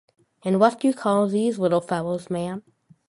And what do you call these little fellows, ma'am?